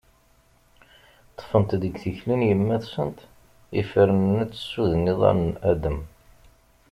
Ṭfent deg tikli n yemma-tsent ifernen ad tessuden iḍarren n Adem.